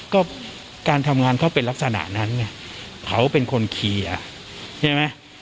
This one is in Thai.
ก็การทำงานเขาเป็นลักษณะนั้นไงเขาเป็นคนเคลียร์ใช่ไหม